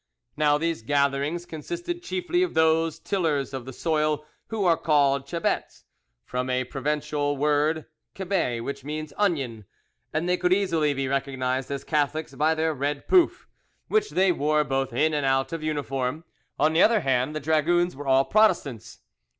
Now these gatherings consisted chiefly of those tillers of the soil who are called cebets, from a Provencal word cebe, which means "onion," and they could easily be recognised as Catholics by their red pouf, which they wore both in and out of uniform. On the other hand, the dragoons were all Protestants.